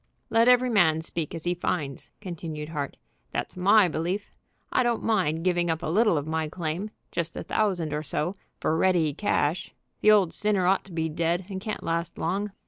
"Let every man speak as he finds," continued Hart. "That's my belief. I don't mind giving up a little of my claim, just a thousand or so, for ready cash. The old sinner ought to be dead, and can't last long.